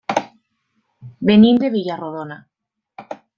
Venim de Vila-rodona.